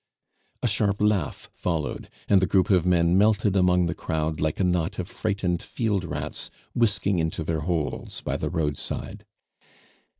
A sharp laugh followed, and the group of men melted among the crowd like a knot of frightened field rats whisking into their holes by the roadside.